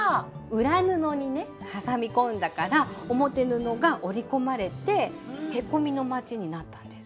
裏布にね挟み込んだから表布が折り込まれてへこみのまちになったんです。